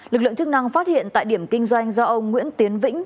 lực lượng chức năng phát hiện tại điểm kinh doanh do ông nguyễn tiến vĩnh